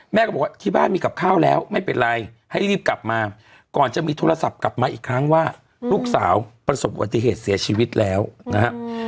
ก็บอกว่าที่บ้านมีกับข้าวแล้วไม่เป็นไรให้รีบกลับมาก่อนจะมีโทรศัพท์กลับมาอีกครั้งว่าลูกสาวประสบอุบัติเหตุเสียชีวิตแล้วนะฮะ